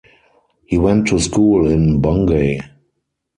He went to school in Bungay.